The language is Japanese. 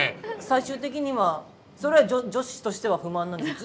最終的にはそれは女子としては不満なんじゃない？